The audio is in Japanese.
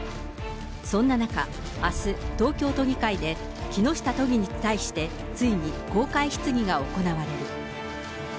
そんな中、あす、東京都議会で、木下都議に対して、ついに公開質疑が行われる。